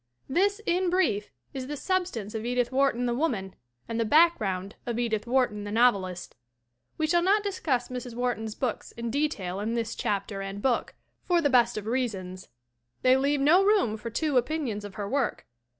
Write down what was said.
This, in brief, is the substance of Edith Wharton the woman and the background of Edith Wharton the novelist. We shall not discuss Mrs. Wharton's books in de tail in this chapter and book for the best of reasons they leave no room for two opinions of her work.